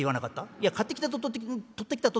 「いや買ってきたと取ってきたと」。